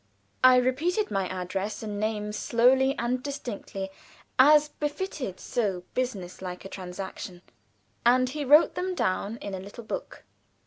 I repeated my address and name slowly and distinctly, as befitted so business like a transaction, and he wrote them down in a little book.